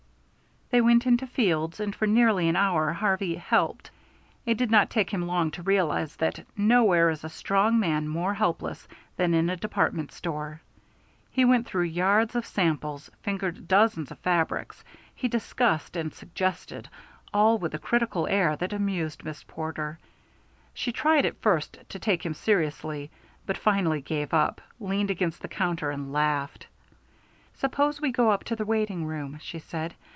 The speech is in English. They went into Field's, and for nearly an hour Harvey "helped." It did not take him long to realize that nowhere is a strong man more helpless than in a department store. He went through yards of samples, fingered dozens of fabrics; he discussed and suggested, all with a critical air that amused Miss Porter. She tried at first to take him seriously, but finally gave up, leaned against the counter and laughed. "Suppose we go up to the waiting room," she said.